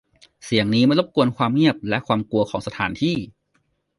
เสียงนี้ไม่รบกวนความเงียบและความกลัวของสถานที่